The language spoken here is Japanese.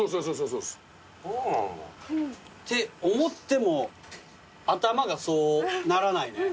そうなんだ。って思っても頭がそうならないね。